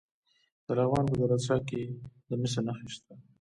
د لغمان په دولت شاه کې د مسو نښې شته.